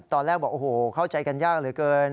ตอนแรกบอกโอ้โหเข้าใจกันยากเหลือเกิน